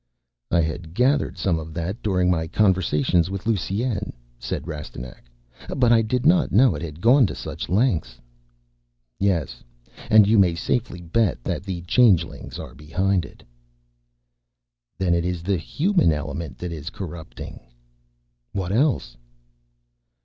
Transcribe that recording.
"I had gathered some of that during my conversations with Lusine," said Rastignac. "But I did not know it had gone to such lengths." "Yes, and you may safely bet that the Changelings are behind it." "Then it is the human element that is corrupting?" "What else?"